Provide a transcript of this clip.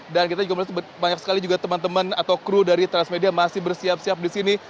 dan kita juga boleh sebut banyak sekali juga teman teman atau kru dari transmedia masih bersiap siap disini